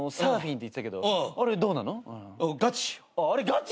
ガチ。